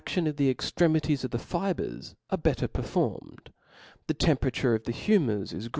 327 a6lion of the extremities of the fibres . are better Book performed, the temperature of the humours is ch^i^a.